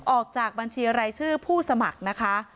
ออกจากบัญชีรายชื่อผู้สมัครนะคะ